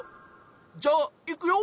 じゃあいくよ。